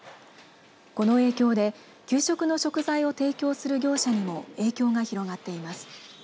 この影響で給食の食材を提供する業者にも影響が広がっています。